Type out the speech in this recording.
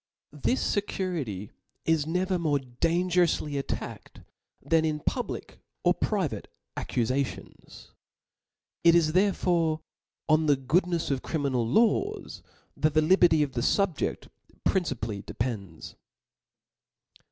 This fecurity is never more dangeroufty attacked than in public or private accufations. It is there fore on the goodnefs of criminal laws that the li berty of the fubjeft principally depends.